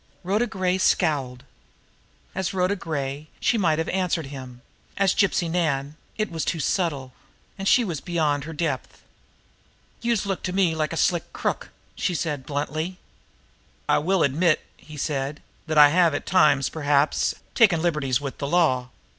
Rhoda Gray scowled. As Rhoda Gray, she might have answered him; as Gypsy Nan, it was too subtle, and she was beyond her depth. "Youse look to me like a slick crook!" she said bluntly. "I will admit," he said, "that I have at times, perhaps, taken liberties with the law."